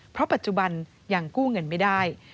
เพราะปัจจุบันยังกู้เงินไม่ได้